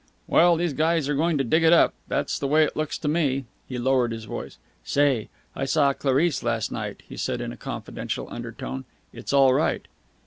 "Well, these guys are going to dig it up. That's the way it looks to me." He lowered his voice. "Say, I saw Clarice last night," he said in a confidential undertone. "It's all right."